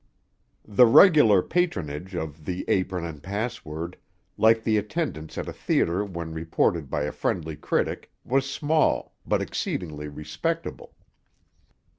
The regular patronage of the "Apron and Password," like the attendance at a theatre when reported by a friendly critic, was small, but exceedingly respectable.